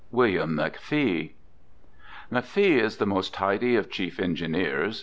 WILLIAM McFEE M'Phee is the most tidy of chief engineers.